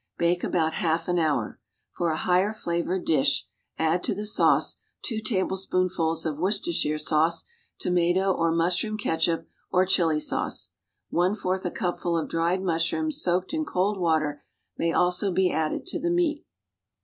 Hake about half an hour. For a higher flavored dish, add to the sauce, two tablespoonfuls of Worcestershire sauce, tomato or mushroom catsup or chili sauce. One fourth a cupful of dried mushrooms, soaked in cold water, may also be added to the meat.